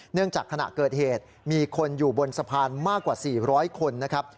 จากขณะเกิดเหตุมีคนอยู่บนสะพานมากกว่า๔๐๐คนนะครับ